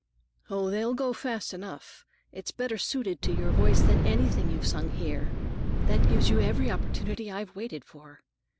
"Oh, they'll go fast enough! That's better suited to your voice than anything you've sung here. That gives you every opportunity I've waited for."